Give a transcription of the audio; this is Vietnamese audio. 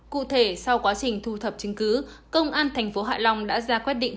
cụ thể sau quá trình thu thập chứng cứ công an tp hạ long đã ra quyết định